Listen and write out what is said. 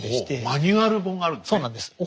マニュアル本があるんですね。